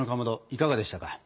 いかがでしたか？